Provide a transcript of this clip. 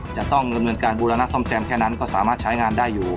จะต้องดำเนินการบูรณะซ่อมแซมแค่นั้นก็สามารถใช้งานได้อยู่